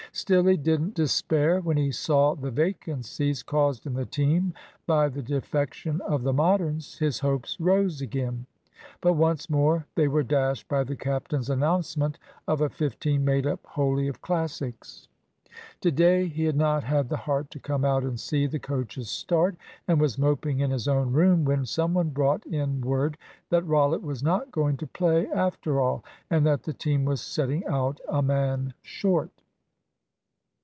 Still he didn't despair. When he saw the vacancies caused in the team by the defection of the Moderns, his hopes rose again; but once more they were dashed by the captain's announcement of a fifteen made up wholly of Classics. To day he had not had the heart to come out and see the coaches start, and was moping in his own room, when some one brought in word that Rollitt was not going to play after all, and that the team was setting out a man short.